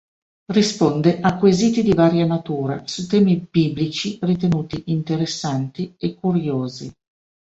Risponde a quesiti di varia natura su temi biblici ritenuti interessanti e curiosi.